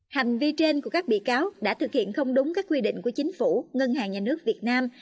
hành vi trên của các bị cáo đã thực hiện không đúng các quy định của chính phủ ngân hàng nhà nước việt nam